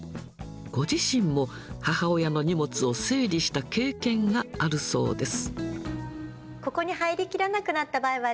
ご自身も母親の荷物を整理した経験があるそうです。